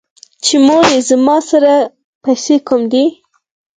چې مورې زما سره پېسې کوم دي ـ